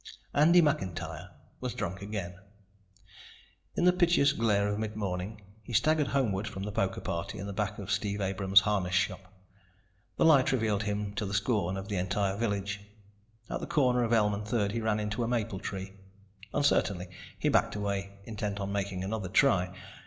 Andy McIntyre was drunk again. In the piteous glare of mid morning, he staggered homeward from the poker party in the back of Steve Abram's harness shop. The light revealed him to the scorn of the entire village. At the corner of Elm and Third he ran into a maple tree. Uncertainly he backed away, intent on making another try.